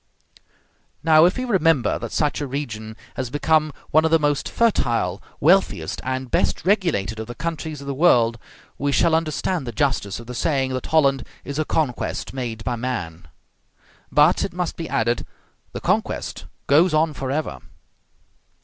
Now, if we remember that such a region has become one of the most fertile, wealthiest, and best regulated of the countries of the world, we shall understand the justice of the saying that Holland is a conquest made by man. But, it must be added, the conquest goes on forever.